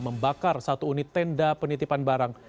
membakar satu unit tenda penitipan barang